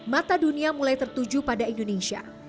mata dunia mulai tertuju pada indonesia